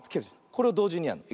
これをどうじにやるの。